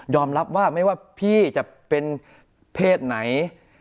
รับว่าไม่ว่าพี่จะเป็นเพศไหน